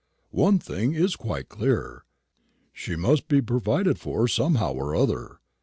One thing is quite clear she must be provided for somehow or other.